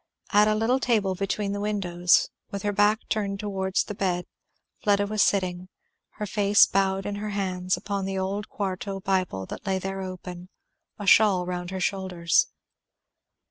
At a little table between the windows, with her back turned towards the bed, Fleda was sitting, her face bowed in her hands, upon the old quarto bible that lay there open; a shawl round her shoulders.